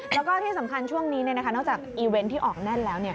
แล้วก็ที่สำคัญช่วงนี้นอกจากอีเวนต์ที่ออกแน่นแล้ว